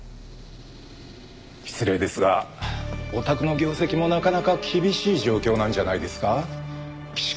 失礼ですがおたくの業績もなかなか厳しい状況なんじゃないですか？